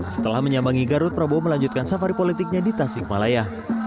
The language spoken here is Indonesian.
setelah menyambangi garut prabowo melanjutkan safari politiknya di tasikmalaya